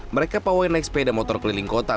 mereka pawai naik sepeda motor keliling kota